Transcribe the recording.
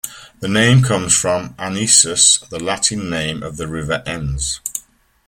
The name comes from "Anisus", the Latin name of the river Enns.